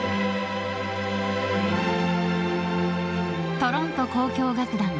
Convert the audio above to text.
トロント交響楽団